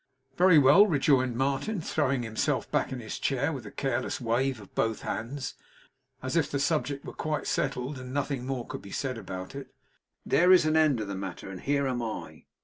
'Very well,' rejoined Martin, throwing himself back in his chair, with a careless wave of both hands, as if the subject were quite settled, and nothing more could be said about it 'There is an end of the matter, and here am I!